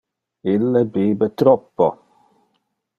Ille bibe troppo.